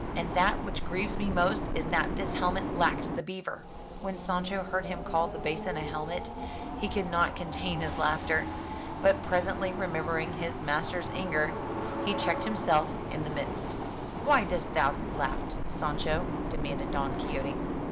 And that which grieves me most is that this helmet lacks the beaver." When Sancho heard him call the basin a helmet, he could not contain his laughter; but presently remembering his master's anger, he checked himself in the midst. "Why dost thou laugh, Sancho?" demanded Don Quixote.